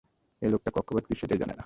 এই লোকটা কক্ষপথ কী সেটাই জানে না!